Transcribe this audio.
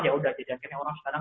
ya sudah jejaknya orang sekarang